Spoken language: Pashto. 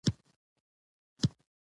د مېلو یوه برخه د لاسي هنرونو نندارې دي.